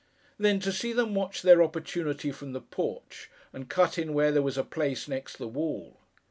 Then, to see them watch their opportunity from the porch, and cut in where there was a place next the wall!